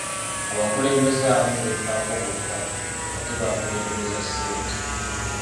Abakulembeze abamu beefaako bokka ate bakulembeza ssente.